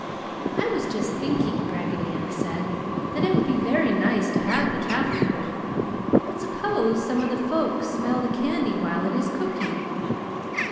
"I was just thinking," Raggedy Ann said, "that it would be very nice to have the taffy pull, but suppose some of the folks smell the candy while it is cooking."